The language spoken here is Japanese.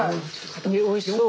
おいしそう。